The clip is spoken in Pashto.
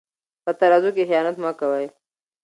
په ترازو کې خیانت مه کوئ.